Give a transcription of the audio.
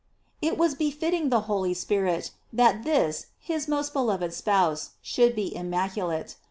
It was befitting the Holy Spirit that this his most beloved spouse should be immaculate.